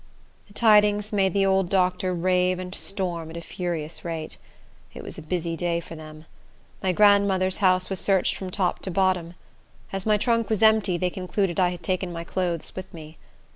The tidings made the old doctor rave and storm at a furious rate. It was a busy day for them. My grandmother's house was searched from top to bottom. As my trunk was empty, they concluded I had taken my clothes with me.